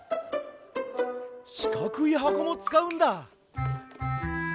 しかくいはこもつかうんだ。